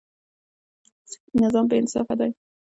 سودي نظام بېانصافه دی.